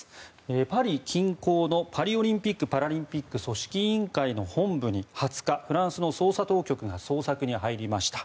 パリ近郊のパリオリンピック・パラリンピック組織委員会の本部に２０日フランスの捜査当局が捜索に入りました。